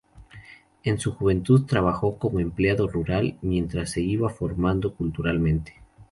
En su juventud trabajó como empleado rural, mientras se iba formando culturalmente.